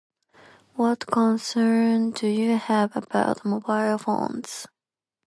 What concern do you have about mobile phones?